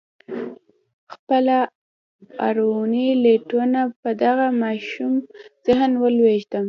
خپله اورنۍ لېوالتیا به د دغه ماشوم ذهن ته ولېږدوم.